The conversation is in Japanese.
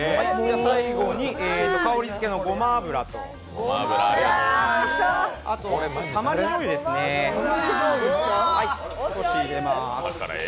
最後に香りづけのごま油とあとたまりじょうゆですね少し入れます。